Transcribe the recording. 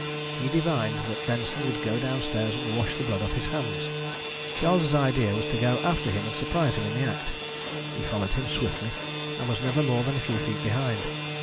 He divined that Benson would go downstairs and wash the blood off his hands. Charles' idea was to go after him and surprise him in the act. He followed him swiftly, and was never more than a few feet behind.